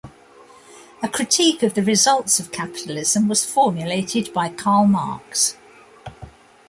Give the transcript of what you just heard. A critique of the results of capitalism was formulated by Karl Marx.